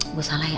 ibu salah ya